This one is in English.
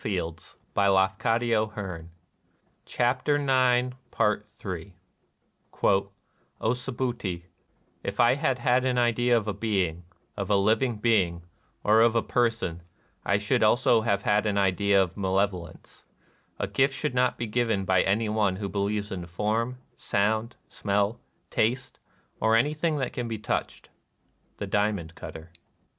Ill " O SubhUti, if I liad had an idea of a being, of a living being, or of a person, I shotdd also have had an idea of malevolence. ... A gift should not be given by any one Avho believes in form, sound, smell, taste, or anything that can be touched." — The Diamond Cutter.